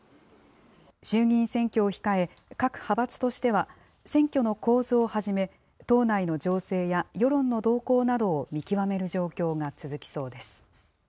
衆議院選挙を控え、各派閥としては、選挙の構図をはじめ、党内の情勢や世論の動向などを見極める状況